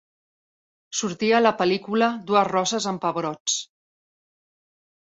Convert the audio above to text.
Sortia a la pel·lícula "Dues rosses amb pebrots".